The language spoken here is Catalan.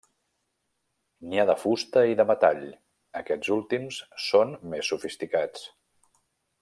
N'hi ha de fusta i de metall, aquests últims són més sofisticats.